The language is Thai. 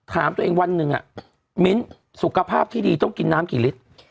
ถามตัวเองวันหนึ่งมิ้นสุขภาพที่ดีต้องกินน้ำกี่ลิตร